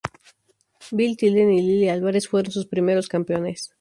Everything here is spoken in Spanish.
Bill Tilden y Lilí Álvarez fueron sus primeros campeones.